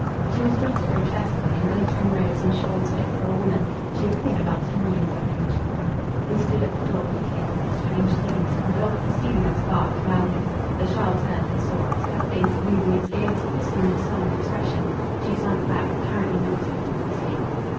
She was dressed grotesquely, in glittering robes and shawls fit for a woman; she appeared about ten years of age. We stood at the door looking on this strange scene, till the dog perceiving us barked loudly; the child turned and saw us: her face, losing its gaiety, assumed a sullen expression: she slunk back, apparently meditating an escape.